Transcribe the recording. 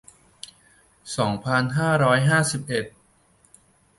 สองพันห้าร้อยห้าสิบเอ็ด